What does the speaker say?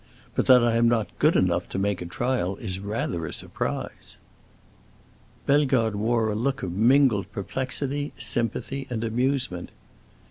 But that I am not good enough to make a trial is rather a surprise." Bellegarde wore a look of mingled perplexity, sympathy, and amusement.